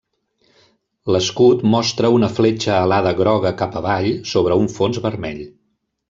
L'escut mostra una fletxa alada groga cap avall sobre un fons vermell.